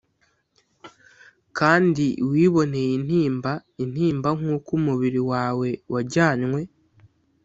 kandi wiboneye intimba intimba nkuko umubiri wawe wajyanywe.